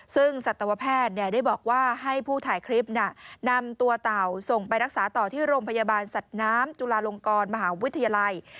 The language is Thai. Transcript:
ซึ่งสัตวแพทย์ได้บอกว่าให้ผู้ถ่ายคลิปนำตัวเต่าส่งไปรักษาต่อที่โรงพยาบาลสัตว์น้ำจุลาลงกรมหาวิทยาลัย